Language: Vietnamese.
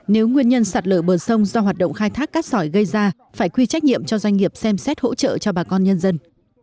nếu nguyên nhân sạt lở bờ sông do hoạt động khai thác cát sỏi gây ra phải quy trách nhiệm cho doanh nghiệp xem xét hỗ trợ cho bà con nhân dân